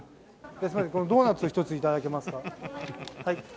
ドーナツを１つ頂けますか？